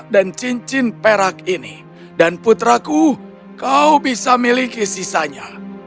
dan putriku kau bisa miliki sisanya